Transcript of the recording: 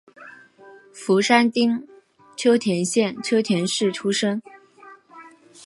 福山町秋田县秋田市出生。